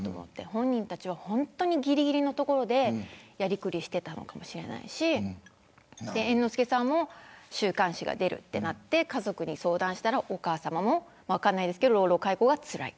本人たちは本当にぎりぎりのところでやりくりしてたのかもしれないし猿之助さんも週刊誌が出るとなって家族に相談したらお母さまも分からないですけど老老介護がつらい。